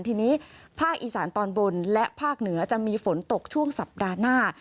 ทีนี้ภาคอีสานตอนบนและภาคเหนือจะมีฝนตกช่วงสัปดาห์หน้า